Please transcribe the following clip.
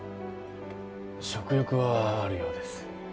食欲はあるようです・